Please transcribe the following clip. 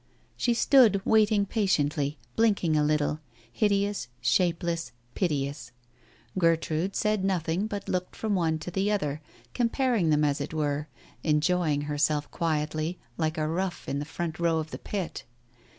She stood, waiting patiently, blinking a little, hideous, shapeless, piteous. Gertrude said nothing but looked from one to the other, comparing them as it were, enjoy ing herself quietly, like a rough in the front row of the pit.